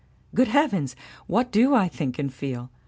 Good heavens! what do I think and feel?